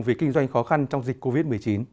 vì kinh doanh khó khăn trong dịch covid một mươi chín